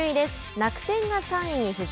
楽天が３位に浮上。